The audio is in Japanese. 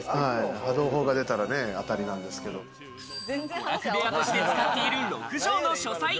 娯楽部屋として使っている六畳の書斎。